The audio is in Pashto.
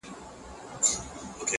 جنگ دی سوله نه اكثر ـ